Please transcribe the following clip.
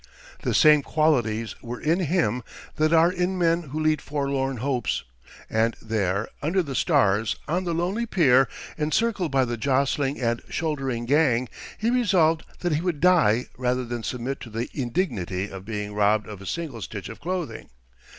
The same qualities were in him that are in men who lead forlorn hopes; and there, under the stars, on the lonely pier, encircled by the jostling and shouldering gang, he resolved that he would die rather than submit to the indignity of being robbed of a single stitch of clothing.